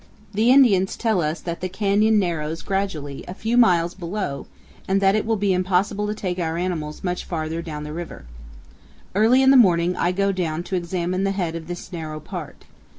The Indians tell us that the canyon narrows gradually a few miles below and that it will be impossible to take our animals much farther down the river. Early in the morning I go down to examine the head of this narrow part.